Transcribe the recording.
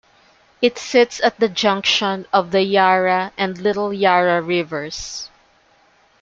It sits at the junction of the Yarra and Little Yarra Rivers.